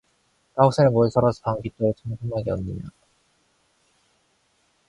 뻐국새는 무엇이 서러워서 밤 깊도록 저다지 청승맞게 우느냐.